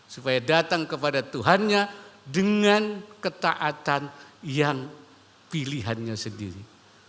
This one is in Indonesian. supaya datang kepada tuhannya dengan ketaatan yang pilihannya sendiri